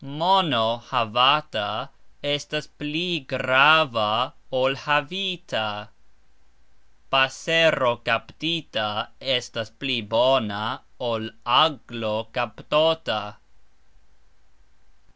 Mono havata estas pli grava ol havita. Pasero kaptita estas pli bona, ol aglo kaptota.